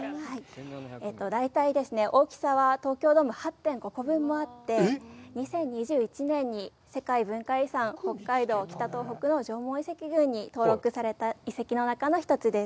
大体ですね、大きさは東京ドーム８．５個分もあって、２０２１年に世界文化遺産、北海道・北東北の縄文遺跡群に登録された遺跡の中の１つです。